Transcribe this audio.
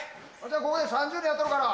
ここで３０年やっとるから。